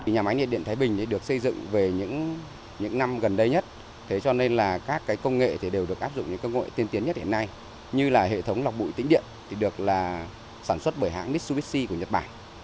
nhà máy nhiệt điện thái bình được xây dựng về những năm gần đây nhất thế cho nên là các công nghệ đều được áp dụng những công nghệ tiên tiến nhất hiện nay như là hệ thống lọc bụi tính điện được sản xuất bởi hãng nissubishi của nhật bản